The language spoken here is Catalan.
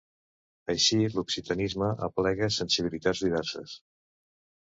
Així l'occitanisme aplega sensibilitats diverses.